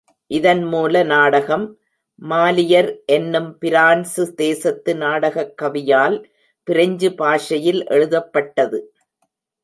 இதன் மூல நாடகம், மாலியர் என்னும் பிரான்சு தேசத்து நாடகக் கவியால் பிரெஞ்சு பாஷையில் எழுதப்பட்டது.